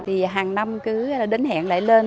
thì hàng năm cứ đến hẹn lại lên